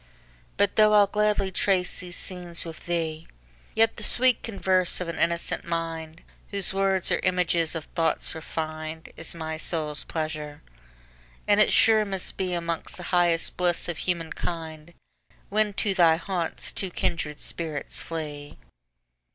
But though I'll gladly trace these scenes with thee, Yet the sweet converse of an innocent mind, Whose words are images of thoughts refin'd, Is my soul's pleasure; and it sure must beAlmost the highest bliss of human kind, When to thy haunts two kindred spirits flee.